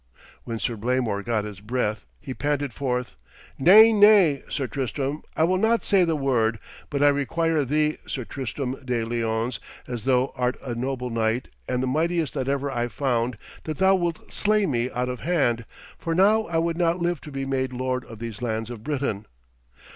When Sir Blamor got his breath he panted forth: 'Nay, nay, Sir Tristram, I will not say the word, but I require thee, Sir Tristram de Lyones, as thou art a noble knight and the mightiest that ever I found, that thou wilt slay me out of hand, for now I would not live to be made lord of these lands of Britain.